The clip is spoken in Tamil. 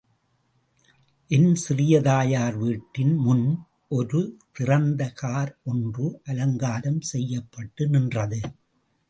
என் சிறிய தாயார் வீட்டின் முன் ஒரு திறந்த கார் ஒன்று அலங்காரம் செய்யப்பட்டு நின்றது.